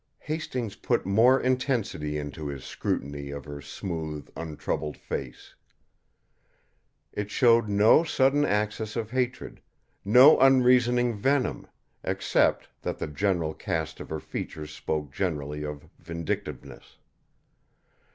Hastings put more intensity into his scrutiny of her smooth, untroubled face. It showed no sudden access of hatred, no unreasoning venom, except that the general cast of her features spoke generally of vindictiveness.